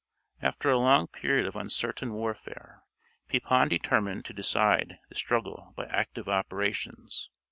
After a long period of uncertain warfare, Pepin determined to decide the struggle by active operations.